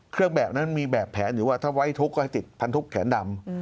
เครื่องแบบนั้นมีแบบแผนอยู่ว่าถ้าไว้ทุกข์ก็ให้ติดพันธุแขนดำ